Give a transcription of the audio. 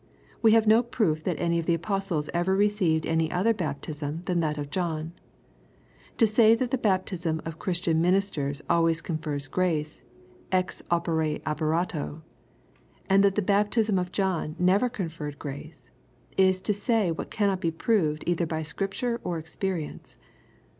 We have no proof that any of the apostles ever received any other baptism than that of John. To say that the baptism of Christian ministers always confers grace, " ex opere operate," and that the baptism of John never con ferred grace, is to say what cannot be proved either by Scripture or experience.